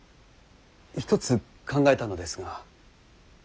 一つ考えたのですが。